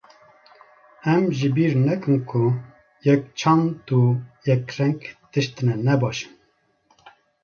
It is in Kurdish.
Em ji bîr nekin ku yekçand û yekreng tiştine ne baş in.